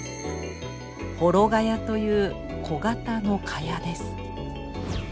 「幌蚊帳」という小型の蚊帳です。